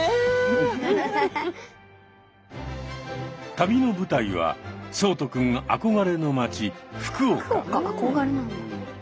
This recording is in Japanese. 旅の舞台は聡人くん憧れの街福岡。